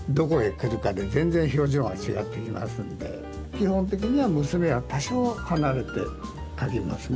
基本的には娘は多少離れて描きますね。